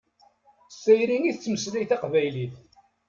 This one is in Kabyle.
S tayri i tettmeslay taqbaylit.